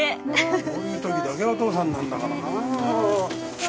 こういう時だけお父さんなんだからなぁもう。